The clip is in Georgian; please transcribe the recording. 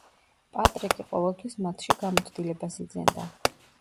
პატრიკი ყოველთვის მათში გამოცდილებას იძენდა.